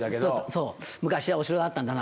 昔はお城だったんだな。